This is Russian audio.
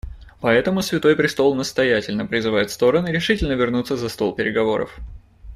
Поэтому Святой престол настоятельно призывает стороны решительно вернуться за стол переговоров.